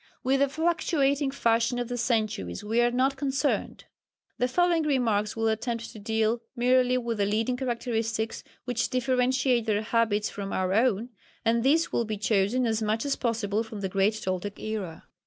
With the fluctuating fashion of the centuries we are not concerned. The following remarks will attempt to deal merely with the leading characteristics which differentiate their habits from our own, and these will be chosen as much as possible from the great Toltec era.